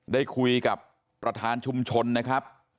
ได้คุยกับประธานชุมชนนะครับ